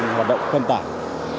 hoạt động phân tải